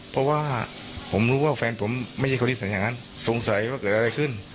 เพราะว่าผมรู้ว่าแฟนผมไม่ใช่คนนิสัยอย่างนั้นสงสัยว่าเกิดอะไรขึ้น